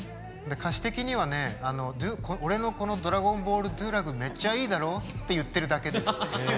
歌詞的にはね「俺のこのドラゴンボールデューラグめっちゃいいだろ」って言ってるだけです。